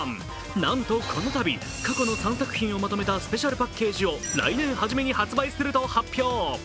なんとこのたび、過去の３作品をまとめたスペシャルパッケージを来年初めに発売すると発表。